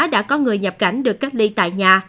đã có người nhập cảnh được cách ly tại nhà